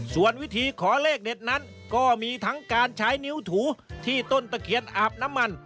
ส่วนวิธีขอเลขเด็ดนั้นก็มีทั้งการใช้นิ้วถูที่ต้นตะเคียนอาบน้ำมัน